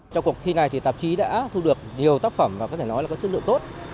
trong cuộc thi này thì tạp chí đã thu được nhiều tác phẩm và có thể nói là có chất lượng tốt